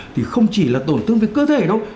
thì không chỉ là tổn thương về cơ thể đâu